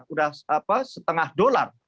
sudah setengah dolar